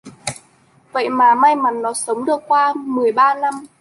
Vậy mà may mắn Nó sống được qua mười ba năm